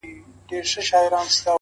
زما په مینه زوی له پلار څخه بیلیږي-